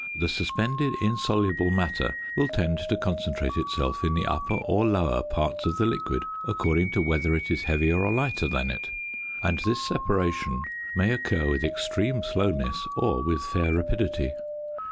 The suspended insoluble matter will tend to concentrate itself in the upper or lower parts of the liquid according to whether it is heavier or lighter than it; and this separation may occur with extreme slowness or with fair rapidity.